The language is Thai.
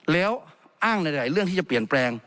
แล้วอ้างในหลายเรื่องที่จะเปลี่ยนแปลง